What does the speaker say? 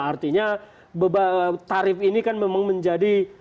artinya tarif ini kan memang menjadi